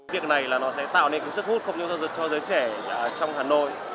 việc này sẽ tạo nên sức hút không chỉ cho giới trẻ trong hà nội